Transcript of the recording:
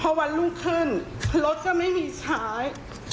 พอวันลูกขึ้นรถก็ไม่มีช้าย